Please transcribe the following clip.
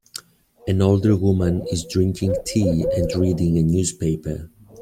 An older woman is drinking tea and reading a newspaper.